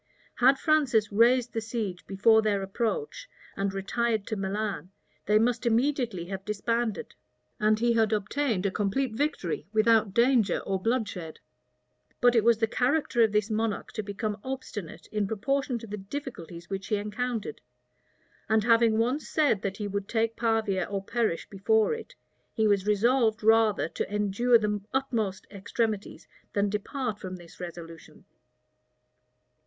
Had Francis raised the siege before their approach, and retired to Milan, they must immediately have disbanded; and he had obtained a complete victory without danger or bloodshed. But it was the character of this monarch to become obstinate in proportion to the difficulties which he encountered; and having once said, that he would take Pavia or perish before it, he was resolved rather to endure the utmost extremities than depart from this resolution.